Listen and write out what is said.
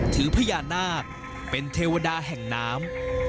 ถือพญานาคเป็นเทวดาแห่งน้ำ